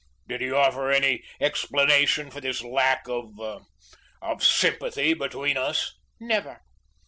Did he offer any explanation for this lack of of sympathy between us?" "Never.